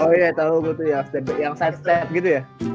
oh iya tau gue tuh yang side step gitu ya